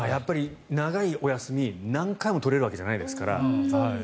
長いお休みを何回も取れるわけじゃないですから。